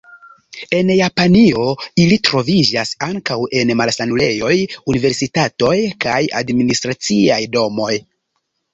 En Japanio, ili troviĝas ankaŭ en malsanulejoj, universitatoj kaj administraciaj domoj.